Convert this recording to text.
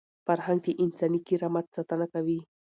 فرهنګ د انساني کرامت ساتنه کوي.